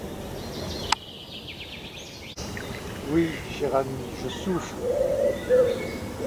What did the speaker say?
Oui, cher ami, je souffre !